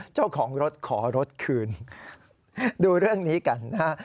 เจ้าของรถขอรถคืนดูเรื่องนี้กันนะฮะ